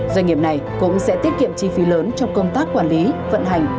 doanh nghiệp này cũng sẽ tiết kiệm chi phí lớn trong công tác quản lý vận hành